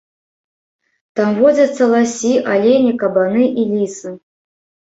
Там водзяцца ласі, алені, кабаны і лісы.